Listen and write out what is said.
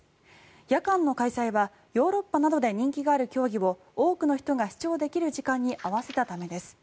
夜間の開催はヨーロッパなどで人気がある競技を多くの人が視聴できる時間に合わせたためです。